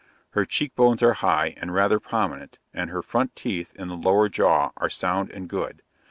Her cheek bones are high, and rather prominent, and her front teeth, in the lower jaw, are sound and good.